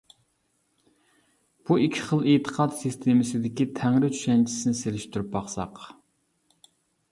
بۇ ئىككى خىل ئېتىقاد سىستېمىسىدىكى تەڭرى چۈشەنچىسىنى سېلىشتۇرۇپ باقساق.